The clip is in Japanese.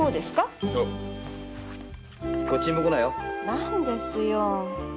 なんですよ